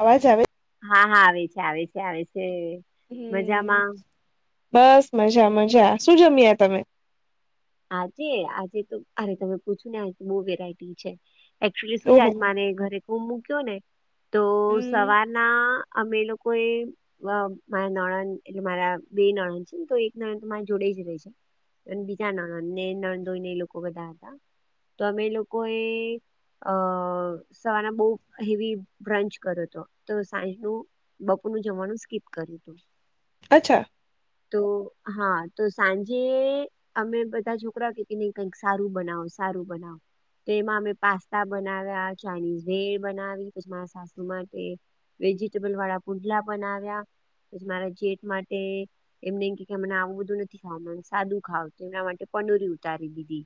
અવાજ આવે હા હા આવે છે આવે છે આવે છે, હમ મજામાં બસ મજા મજા શું જમ્યા તમે? આજે આજે તો અરે તમે પૂછો ને આ બહુ વેરાયટી છે, એકચુલી શું છે ઓહોહો મારે ઘરે કુમ મૂક્યો ને તો હમ સવારના અમે લોકોએ મારા નણદ એટલે મારા બે નણદ છે, તો એક નણદ મારી જોડે એવું છે બીજા નણંદને નણદોઈને એ લોકો બધા હતા તો અમે એ લોકોએ અ સવારના બહુ હેવી બ્રંચ કરો હતો તો સાંજનુ બપોર સ્કૂલ જવાનું સ્કીપ કર્યું હતું. અચ્છા તો હા તો સાંજે અમે બધા છોકરા કે નહી કઈક સારું બનાવુ, સારું બનાવુ, તો એમાં અમે પાસ્તા બનાવ્યા, ચાઇનીઝ ભેડ બનાવી, પછી મારા સાસુ માટે વેજિટેબલ વાળા પુડલા બનાવ્યા પછી મારા જેઠ માટે એમને કે મને આવું બધું નથી ખાવા સાદું ખાવુ એના માટે પનુરી ઉતારી દીધી.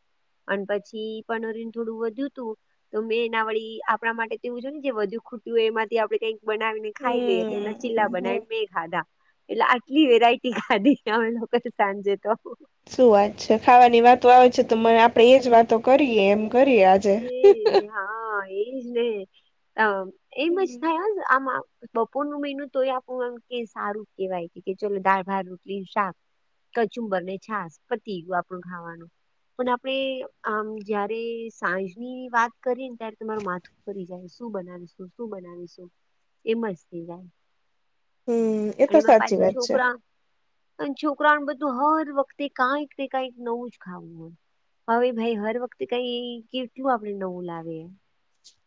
અને પછી પનોરીન થોડું વધ્યું હતું, તો મેં એના વળી આપણા માટે તોવું છે ને જે વધ્યું ખૂટ્યું એમાંથી આપણે કઈક બનાવીને ખાઈ લઈએ તો એના ચીલા હમ બનાવીને મે ખાધા એટલે આટલી વેરાયટી ખાધી અમે લોકો સાંજે તો શૂ વાત છે ખાવાની વાતો આવે છે, તો મને આપણે એ જ વાતો કરીએ એમ કરીએ આજે એજ હા એજ ને એમ જ થાય આમાં બપોરનું મેનું તોય આપું એમ કે સારું કેહેવાય, કે કે ચલો દાલ ભાત, રોટલી શાક, કચુંબરને છાસ પતિ ગયું આપણું ખાવાનું પણ આપણે આમ જયારે સાંજની વાત કરીએ ને ત્યારે તમારું માથું ફરી જાય શું બનાવીશું, શું બનાવીશું એમ જ થઇ હમ એ જાય અને તો એમાં સાચી પાછું વાત છે છોકરા અને છોકરાને બધું હર વખતે કાંઈક ને કાંઈક નવું જ ખાવું હોય હવે ભઈ હર વખતે કઈ કેટલું આપણે નવું લાવે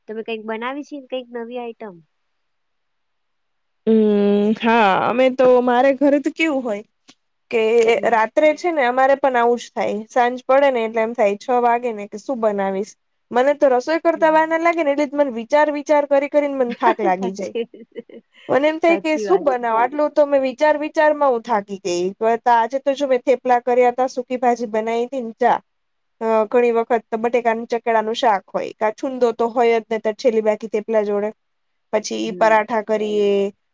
તમે કઈક બનાવી છી ને કઈક નવી આઈટમ હુ હા અમે તો મારે ઘરે તો કેવું હોય કે હમ રાત્રે છે ને તમારે પણ આવું જ થાય સાંજ પડે ને એટલે એમ થાય છ વાગે ને કે શું બનાવીશ મને તો રસોઈ હમ કરતા હમ. વાર ના લાગે ને એટલે મને વિચાર વિચાર કરી કરીને મને થાક લાગી જાય સાચી મને એમ થાય કે સાચી શું વાત છે બનાવ આટલું તો વિચાર વિચારમા હું થાકી ગઈ આજે તો જો મેં થેપલા કર્યા હતા સુકી ભાજી બનાવી હતી ચા અ ઘણી વખત બટેકા ચકેડા નુ શાક હોય કા છૂંદો તો હોય જ નહી તો છેલ્લી બાકી જોડે પછી હમ પરાઠા કરીએ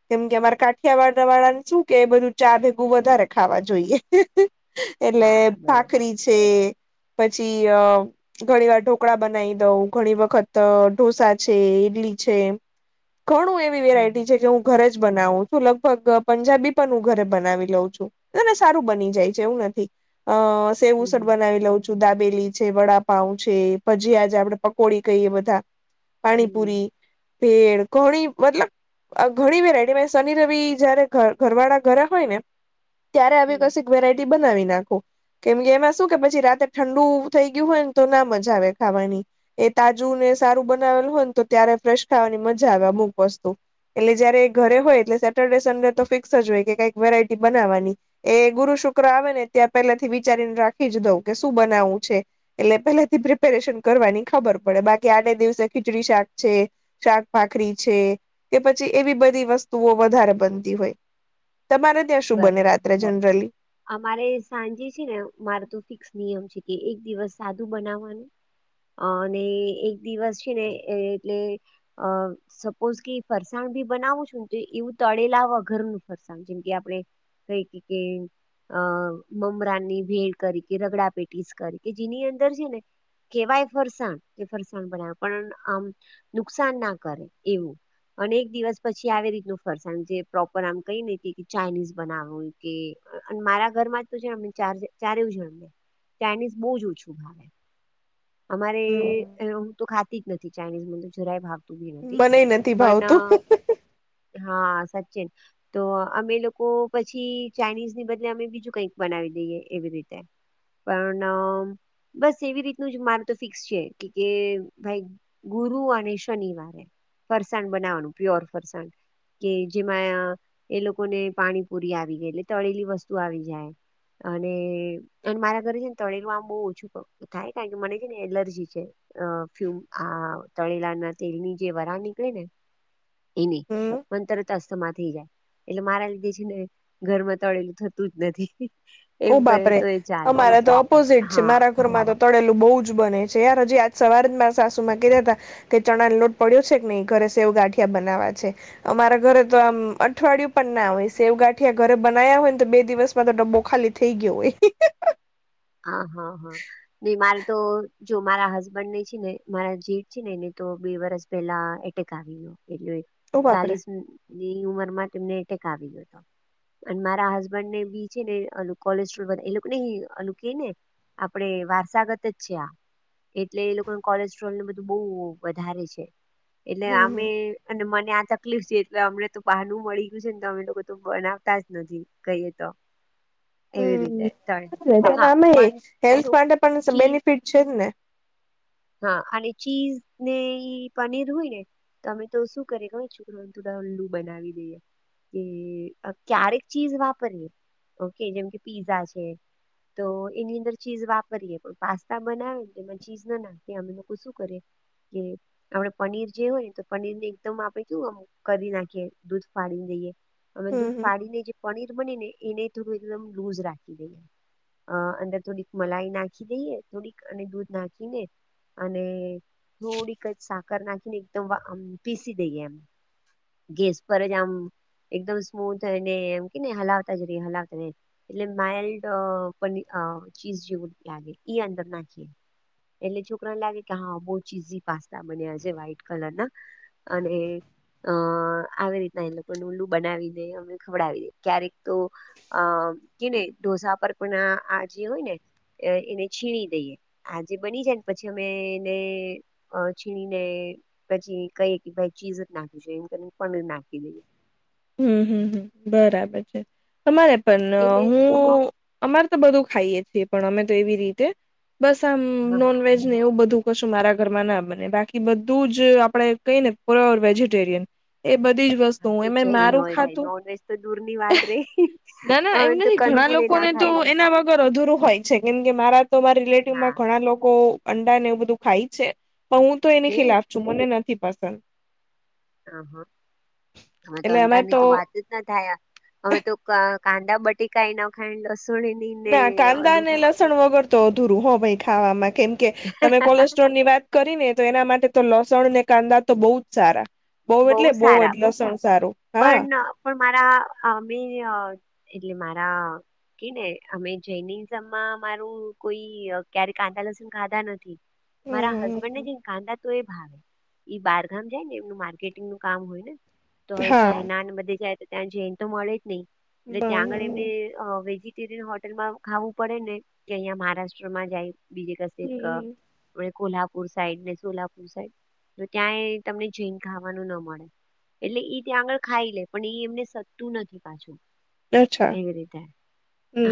કેમ કે અમારે કાઠિયા વાળા વાળા શું કે બધું ચા ભેગું વધારે ખાવા જોઈએ એટલે હા બરોબર ભખરી છે. પછી ઘણી વાર ઢોકળા બનાવી દઉં ઘણી વખત ઢોસા છે ઇડલી છે ઘણું એવી હમ વેરાયટી હ ઘરે જ બનાવું છું લગભગ પંજાબી પણ હું ઘરે બનાવી લઉં છુંને સારું બની જાય છે નથી સેવ ઉસળ હમ બનાવી લઉં છું સુદાબેલી છે વડાપાઉ છે ભજીયા જે આપડે પકોડી કહીએ બધા હમ પાણીપુરી ભેળ ઘણી બધી મતલબ ઘણી વેરાયટી શનિ રવિ જયારે ઘર વાળા ઘરે હોય ને ત્યારે આવી હમ કસીક વેરાયટી બનાવી નાખુ કેમ કે એમાં શું કે પછી રાતે ઠંડુ થઈ ગયું હોય ને તો ના મજા આવે ખાવાની એ તાજુ ને સારું બનાવેલ હોય ને તો ત્યારે ફ્રેશ ખાવાની મજા આવે અમુક વસ્તુ એટલે જયારે ઘરે હોય એટલે સેટરડે સન્ડે તો ફિક્સ જ હોય કે કઈક વેરાયટી બનાવાની એ ગુરુ શુક્ર આવે ને ત્યાં પેલાથી વિચારીને રાખી જ દઉં કે શું બનાવવું છે એટલે પેલાથી પ્રિપેરેશન કરવાની ખબર પડે બાકી આજ દિવસે ખીચડી શાક છે શાકભાખરી છે કે પછી એવી બધી વસ્તુઓ વધારે બનતી હોય તમારે ત્યાં શું બરાબર બને રાત્રે જનરલી અમારે સાંજે છેને મારે તો ફિક્સ નિયમ છે કે એક દિવસ સાદું બનાવવાનું અ અને એક દિવસ છેને એટલે અ સપોઝ કે ફરસાણ બનાવું છું ને તો એવું તો તડેલાવા ઘર ન ફરસાણ જેમ કે આપણે કઈ કે કે અ મમરાનની ભેડ કરીકે રગડા પેટીસ કરી કે જેની અંદર છેને કેવાય ફરસાણ કે ફરસાણ બનાવ્યું પણ આમ નુકસાન ના કરે એવું અને એક દિવસ પછી આવી રીત નુ ફરસાણ જે પ્રોપર આમ કઈ નઈ કે ચાઈનીઝ બનાવું કે મારા ઘરમા જ તો છે ચાર એવું છે. ચાઈનીઝ બહુ જ ઓછું ભાવે અમારે હમ હું તો ખાતી જ નથી ચાાઈનીઝ મને જરાય ભાવે મનેય નથી ભાવતું હા, સચિન તો અમે લોકો પછી, ચાઇનીઝ ની બદલે અમે બીજું કઈક બનાવી દઈએ એવી રીતે પરણામ બસ એવી રીતનું જ માર તો ફિક્સ છે કે ભાઈ ગુરુ અને શનિવારે ફરસાણ બનાવાનું, પ્યોર ફરસાણ કે જેમાં એ લોકોને પાણીપુરી આવી ગઈ, એટલે તળેલી વસ્તુ આવી જાય. અને અન મારા ઘરે છેને, તળરમાં આમ બહુ ઓછું થાય કારણ કે મને છે ને એલર્જી છે. અ ફ્યુમ આ તળેલા ના તેલની જે વરાળ નીકળે ને એની હમ પન તરત અસ્થમા થઈ, જાય. એટલે મારા લીધે છેને, ઘરમા તળેલું થતું જ નથી. હી ઓ, બાપરે અમારા તો ઓપોઝિટ છે, હા મારા ઘરમાં તો તળેલું બહુ જ બને છે, યાર હજી આજ સવારે મારા સાસુમાં કેતાતા કે ચણાન લોટ પડ્યો છે, કે નહીં ઘર વે સેવ ગાઠ બનાવવા છે, અમારા ઘરે તો આમ અઠવાડિયું પણ ના હોય, સેવગાંઠિયા ઘરે બના અયા હોયન, તો બે દિવસમાં તો ડબ્બો ખાલી થઈ ગયો હોય હિહિક. હા, હા, હા ની માર તો જો મારા હસબન્ડ ને છે ને મારા જેઠ છે ને એને તો બે વરસ પેલા એટેક આવી ગયો. એટલે ઓ બાપરે ચાલીસ ની ઉમર માં તેમને એટેક આવી ગયો. અન મારા હસબન્ડ ને બી છે ને અલું કોલેસ્ટ્રોલ વધે એ લોકો નહી અનુ કે ને આપણે વારસાગત જ છે આ. એટલે એ લોકોન કોલેસ્ટ્રોલું બધું બહુ વધારે છે. એટલે હમ આમેય અને મને આ તકલીફ છે એટલે અમને તો બાહનું મળી ગયું છે ને તો અમે લોકો બનાવતા જ નથી કહીએ તો. એવી રીતે ટાળ આમેય હેલ્થ માટે પણ બેનિફિટ છે જ ને. હા અને ચીઝ નેઈ પનીર હોય ને તમે તો શું કરીયે ખબર છોકરાઓને થોડા ઉલ્લુ બનાવી દઈએ. કે અ ક્યારેક ચીજ વાપરીએ ઓકે જેમ કે પીઝા છે તો એની અંદર ચીઝ વાપરીએે પણ પાસ્તા બનાવે એમાં ચીજ ના નાખ કે અમે લોકો શું કરીયે કે પણ પનીર જે હોય ને તો પનીર ને એકદમ આપે કેવું આમ કર દી નાખીયે દૂધ ફાડી દઈએ અને હમ દૂધ હમ ફાડીને જે પનીર બની ને એને થોડું એકદમ લુઝ રાખી દઈએ. અ અંદર થોડીક મલાઈ નાખી દઈએ થોડીક અને દૂધ નાખીને અને થોડીક જ સાકર નાખીને એકદમ આમવા આમ પીસી દઈએ એમ. ગેસ પર જ આમ એકદમ સ્મૂથ અને એમ કેને હલાવતા રહીયે જ રહી હલાવતા એટલે માઇલ્ડ પની અ ચીજ જેવું લાગે ઈ અંદર નાખીએ, એટલે છોકરાને લાગે કે હા બહુ ચીઝી પાસ્તા બન્યા છે વ્હાઈટ કલર ના અને અ આવી રીતના એ લોકોનું ઉલ્લું બનાવીને અને ખવડાવી દઈ ક્યારેક તો અ કેને ઢોસા પર પણ આ જે હોય ને એને છીણી દઈએ આજે બની જાય ને પછી અમે એને છીણીને પછી કહી કે ભાઈ ચીજ ના એમ કરીને પનીર નાખી દઈ હમ્મ હમ્મ હમ્મ બરાબર છે અમારે પન એટલે હું અમાર તો બધું ખાઈએ છીએ પણ અમે તો એવી રીતે બસ આમ હા હા નોનવેજ ને એવું બધું કુંછું મારા ઘરમાં ના બને બાકી બધું જ આપડે કઈને પ્યોર વેજીટેરિયન. બધી જ હા વસ્તુઓ તો એમ ને જઈ ન મારું હોય ભાઈ ખાતું નોનવેજ તો દૂરની વાત રે ના ના એમ અમે તો નહી ઘણા કંદમૂળ એ ના લોકોને તો ખાઈએ એના વગર અધુરું હોય છે કેમ કે મારા તો માર રિલેટિવમાં હા ઘણા લોકો અંડા ને એવું બધું ખાય છે. પણ હું તો એની હે ખિલાફ છું મને નથી પસંદ. અહ અમે તો અંટાની તો વાત જ ના થયા અમે તો કા કાંદા બટેકા ય ના ખાઈ લસ ના કાંદા અને લસણ વગર તો અધુરું હો ભાઈ ખાવામાં કેમ કે તમે કોલેસ્ટ્રોલ ની વાત કરી ને તો એના માટે તો લસણ અનેને કાંદા તો બહુ જ સારા. બઉ એટલે બઉ જ લસણ સા પન પણ મારા આમેરયા એટલે મારા કે ને અમે જઈનીઝમમાં મારું કોઈ ક્યારે કાંદા લસણ ખાધા નથી હમ મારા હમ હસબન્ડ હમ. ને જેને કાંધા તો એ ભાવે બારગામ જાય ને એમનું માર્ગ મારકેટીંગ નું કામ હોય ને તો હવે હા ચાયનાને બધે જાય તો ત્યાં જન તો મળે જ નહી. હમ એટલે ત્યાં આગળ હમ એમને વેજી હોટલમાં ખાવું પડે ને કે અહિયાં મહારાષ્ટ્રમાં જાય બીજ કસે હમ. ક કોલ્હાપુર સાઈડ ને સોલાપુર સાઈડ તો ત્યાં તમને જ ખાવાનું ન મળે એટલે ત્યાં આગળ ખાઈ લે પણ એ એમને સદતું નથી પાછું. અચ્છા એવી રીતે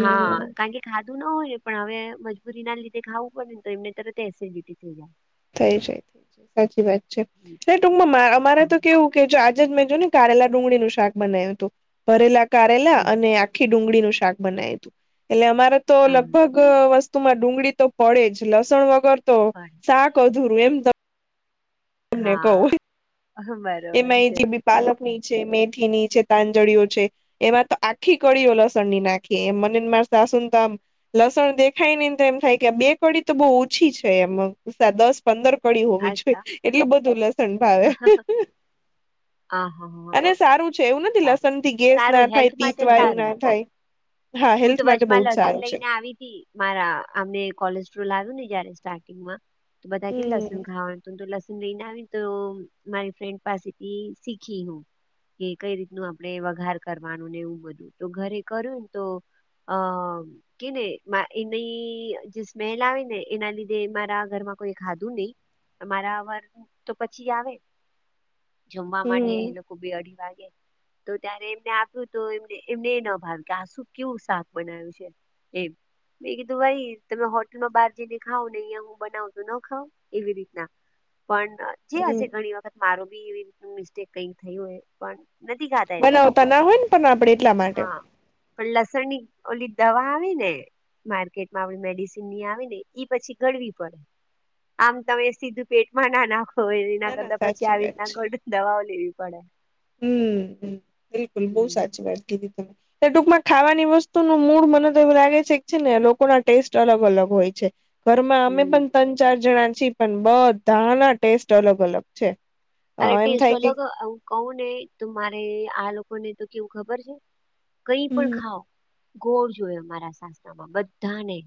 હા કારણ કે ખા બું ના હોય ને પણ હવે મજબૂરી ના લીધે ખાવું પડે ને તો એમને તરત એસિડિટી થઈ જાય. થઈ જાય જ સાચી વાત છે, હમ એ ટૂકમાં અમારે હા. તો કેવું કે મેં જો ને કારેલા ડુંગળીનું શાક બનાવ્યું હતું ભરેલા કારેલા હમ અને આખી ડુંગળીનું શાક બનાયું એટલે અમારે તો હા, લગભગ વસ્ત તુમાં ડુંગળી તો પડે જ લસણ વગર તો પણ શાક અધૂરું એમ [inaudible] તમને કહું. હા બરોબર એમાં એ છે જે બી પાલક ની મેથી ની છે તાંજળઓ છે, એમાં તો આખી કડીઓ લસણ ની નાખી એમ મને માર તો આમ લસણ દેખાય ને તો એમ થાય કે આ બે કડી તો બહુ ઓછી છે, એમ દસ પંદર પડી હોવી જોઈએ અચ્છા એટલે બધું લસણ ભાવે [inaudible] હ હા હા અને સારું એવું નથી સારું લસણ થી ગેસ ના સારું થાય હેલ્થ તીત માટે વાયુ સારું ના થાય. હા હું હેલ્થ તો માટે બહુ વચમાં જ લસન સારું છે લઈને આવી તી મારા અમને કોલેસ્ટ્રોલ આવ્યું ને જયારે સંગ બધા લસ હમ ખાવાનું લને આવી તો મારી ફ્રેન્ડ પાસેથી શીખી હું. કઈ રીતનું આપડણે વઘાર કરવાનું ને એવું બધું તો ઘરે કર્યુંને તો, અ કે ને એની જે સ્મેલ આવે ને એના લીધે મારા ઘરમાં કોઈ ખાધું નહી અમારા વર તો પછી આવે જમવા માટે હમ એ લોકો બે અઢી વાગી તો ત્યારે એમને આપ્યું તો એમ એમને એ ન ભાવ્યું કે આ શું કેવું શાક બનાવ્યું છે. એ જ મે કીધું ભાઈ તમે હોટલ ન બહાર જઈને ખાવ ને અહિયાયા હું બનાવ તો ન ખાવ એવી રીતના પણ જે હમ હશે ઘણી વખત મારો બી એવી મિસ્ટેક કઈ થય હોય પણ નથી ખાતા એ લોકો બનાવતા ના હોય ને પણ આપડે એટલા માટે હા પણ લસણ ની ઓલી દવા આવે ને માર્કેટમાં આપ મેડિસન ની આવી ને ઈ પછી ગડવી પડે આમ તમે સીધું પેટમાં ના નાખો હો એ ના કરતા પછી આવી રીતના આ ઘળ દવાઓ લેવી પડે હમ બિલકુલ બહુ હમ સાચી વાત કીધી હતી એ ટૂંકમાં ખાવાની વસ્તુ ન મૂડ મને તો એવું લાગે છે, છે ને લોકો ના ટેસ્ટ અલગ અલગ હોય છે. ઘરમાં અમે હમ પણ ત્રણ ચાર જણા છીએ પણ બધ ધાના ટેસ્ટ અલગ અલગ છે. અ એમ અરેટેસ્ટ થાય કે અલગ આવ કવું ને તો મારે આ લોકોને તો કેવું ખબર છે, કઈ પણ હમ્મ ખાવ ગોળ જોય મારા સાસનામાં બધાને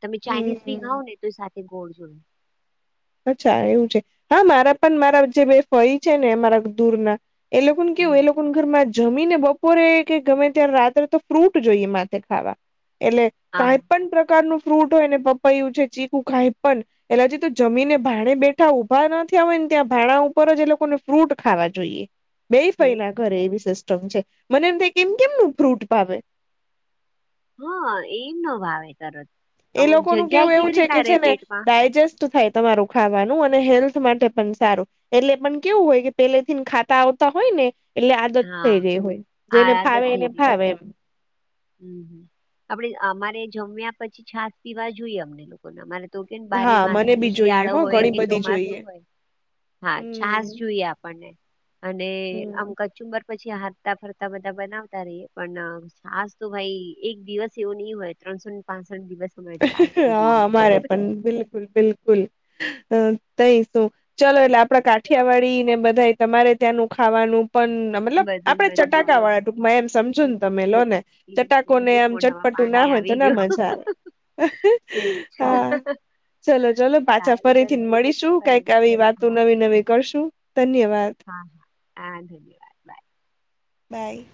તમે ચાાઈનીઝ ભી હમ્મ. ખાવ ને તો તે ગોળ જોઈએ. અચ્છા એવું છે, હા મારા પણ મારા જે બે ફરી છે ને મારા દૂર ના એ લોકોકન કેવ હમ એ લોકોકન ઘરમાં જમીને બપોરે કે ગમે ત્યારે રાત્રે તો ફ્રૂટ જોઈએ માથે ખાવા એટલે આ કઈ હા પણ પ્રકાર ન ફ્રૂટ હોયને પપૈું છે, ચીકું કઈ પણ એટલે હજી જમીને ભાણે બેઠા ઊભા નથી હોય ને ત્યાં ભાણા ઉપર જ એ લોકોને ફ્રૂટ ખાવા જોઈએ. બે હે ફાઈ ના ઘરે એવી સિસ્ટમ છે, મને એમ કેમ કેમનું ફ્રૂટ ભાવે હા, એમ ન ભાવે કર એ લોકોનું કેવું એવું છે કે છે ને પેટમાં ડાયજેસ્ટ થાય તમારું ખાવાનું અને હેલ્થ માટે પણ સારું એટલે પણ કેવું હોય કે પેલેથીન ખાતા હોય ને એટલે આદત હા થઈ રહી હોય જેને ભાવે એને ભાવે એમ હમમ આપડે અમારે જમ્યા પછી છાસ પીવા જોઈએ અમને લોકોને અમારે તો કે બારે હા માસ મને બી જોઈએ શિયાળો હ હોય ઘણી કે બધી જોઈએ ચોમાસું હોય હા છાસ હમ જોઈએ આપણને અને આમ કચુંબર પછી હરતા ફરતા બધા બનાવતા રહીએ પણ તો ભાઈ એક દિવસ એવો નહી હોય ત્રણસો ને પાંચ હા અમારે પણ બિલકુલ બિલકુલ અ તઈ શું ચાલો એટલે આપડા કાઠિયાવાડી ને બધા તમારે ત્યાંનું ખાવાનું પણ મતલબ, બધુ આપડે મજા ચટાકા આવે વાળા ટૂંકમાં એમ સમજો છે ને તમે કાકા લો ને ચટાકો પ્લીઝ ને કેમ આમ મોઢામાં ચટપટ ના હોય, તો ના મજા આવે એ છે. ચલો ચલો પાછા ફરીથી, મળીશું ફરી કઈક મળીએ આવી વાતો હા નવી નવી કરશું ધન્યવાદ હા, હા તમે ધન્યવાદ બાય બાય